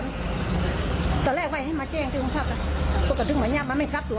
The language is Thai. แม่นอ่ะไปนอนอย่างก็กัน